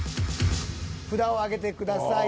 札を上げてください。